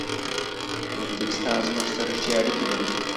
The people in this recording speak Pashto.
ازبکستان زموږ سره ښې اړیکي لري.